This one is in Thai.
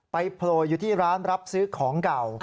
โผล่อยู่ที่ร้านรับซื้อของเก่า